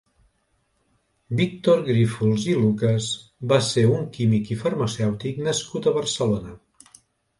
Víctor Grífols i Lucas va ser un químic i farmacèutic nascut a Barcelona.